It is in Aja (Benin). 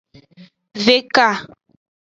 Veka.